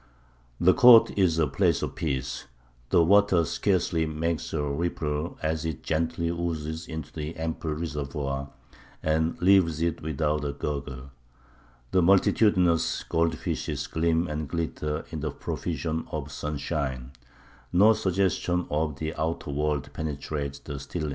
The court is a place of peace; the water scarcely makes a ripple as it gently oozes into the ample reservoir, and leaves it without a gurgle; the multitudinous goldfishes gleam and glitter in the profusion of sunshine; no suggestion of the outer world penetrates the stillness.